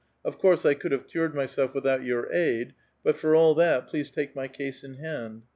Of course I could have cured myself without your aid, but for all that, l)lea8e take my case in hand.